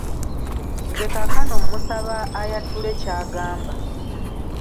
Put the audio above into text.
Nze kaakano musaba ayatule ky'agamba.